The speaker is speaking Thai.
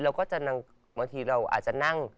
แล้วก็บางทีเราอาจจะนั่ง